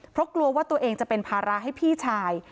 เพราะกลัวว่าตัวเองจะเป็นภาระให้พี่ชาย